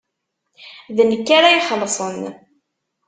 D nekk ara ixelṣen.